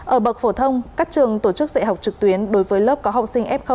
ở bậc phổ thông các trường tổ chức dạy học trực tuyến đối với lớp có học sinh f một